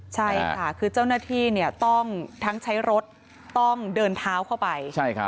ใช่ค่ะคือเจ้าหน้าที่ต้องทั้งใช้รถต้องเดินเท้าเข้าไป